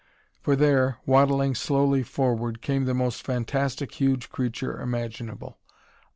For there, waddling slowly forward, came the most fantastic huge creature imaginable.